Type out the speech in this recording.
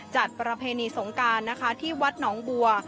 จัดประเพณีสงการที่วัดหนองบัว